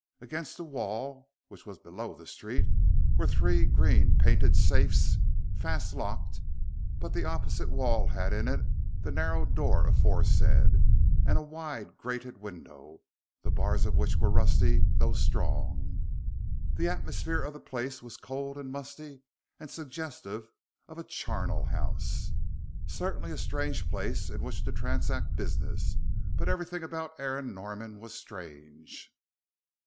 Against the wall, which was below the street, were three green painted safes fast locked: but the opposite wall had in it the narrow door aforesaid, and a wide grated window, the bars of which were rusty, though strong. The atmosphere of the place was cold and musty and suggestive of a charnel house. Certainly a strange place in which to transact business, but everything about Aaron Norman was strange.